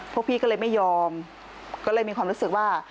พวกพี่ก็เลยไม่ยอมก็เลยมีความรู้สึกว่า